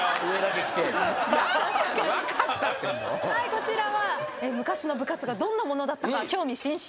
こちらは昔の部活がどんなものだったか興味津々。